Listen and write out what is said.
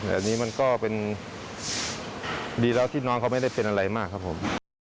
แต่อันนี้มันก็เป็นดีแล้วที่น้องเขาไม่ได้เป็นอะไรมากครับผม